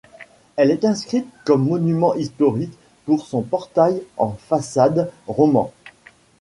Elle est inscrite comme monument historique pour son portail en façade roman.